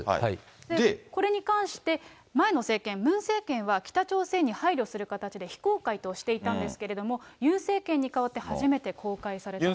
これに関して、前の政権、ムン政権は北朝鮮に配慮する形で非公開としていたんですけれども、ユン政権に代わって初めて公開されたんです。